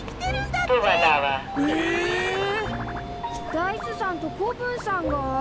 ダイスさんと子分さんが？